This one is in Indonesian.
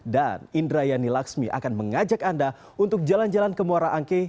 dan indrayani laksmi akan mengajak anda untuk jalan jalan ke muara angke